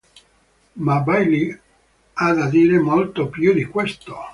Ma Bailly ha da dire molto più di questo.